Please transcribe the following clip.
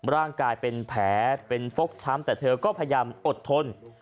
ร่างกายเป็นแผลเป็นฟกช้ำแต่เธอก็พยายามอดทน